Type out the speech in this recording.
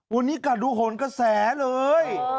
วันนี้กัดดูหนกระแสเลย